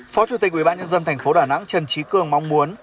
phó chủ tịch ubnd thành phố đà nẵng trần trí cường mong muốn